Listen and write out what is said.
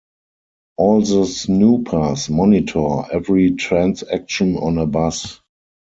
All the snoopers monitor every transaction on a bus.